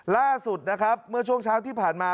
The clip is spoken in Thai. ล่าสุดเมื่อช่วงเช้าที่ผ่านมา